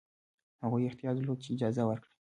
هغوی اختیار درلود چې اجازه ورکړي.